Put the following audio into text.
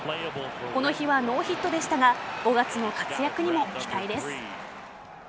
この日はノーヒットでしたが５月の活躍にも期待です。